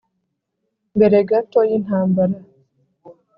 mbere gato y'intambara,